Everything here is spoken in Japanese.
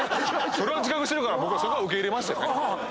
それは自覚してるから僕はそこは受け入れましたよね。